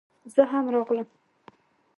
زه هم راغلم